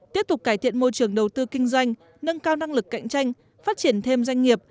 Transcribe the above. tiếp tục cải thiện môi trường đầu tư kinh doanh nâng cao năng lực cạnh tranh phát triển thêm doanh nghiệp